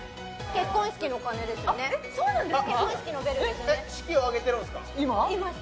結婚式のベルですよね